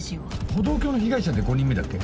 歩道橋の被害者で５人目だっけ？